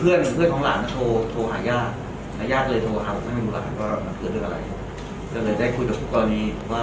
เหตุการณ์ห่วงวางอยู่ในเหตุการณ์ด้วยเอาไว้เหตุการณ์ทางนี้มันเป็นความรู้สึกและคิดแต่หลักบุคคลไม่เหมือนกันนะครับ